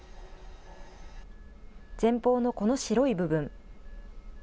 前方のこの白い部分。